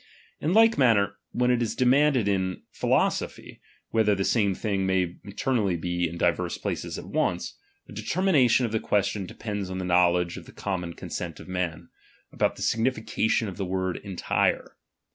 In tike manner, when it is de manded in philosophy, whether the same thing may entirely be in divers places at once ; the de termination of the question depends on the know ledge of the common consent of men, about the signification of the word entire.